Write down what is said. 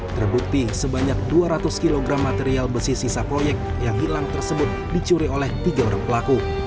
terbukti sebanyak dua ratus kg material besi sisa proyek yang hilang tersebut dicuri oleh tiga orang pelaku